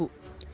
di pulau seribu